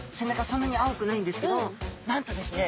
そんなに青くないんですけどなんとですね